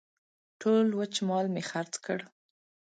ټول وچ مال مې خرڅ کړ.